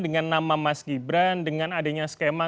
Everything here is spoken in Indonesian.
dengan nama mas gibran dengan adanya skema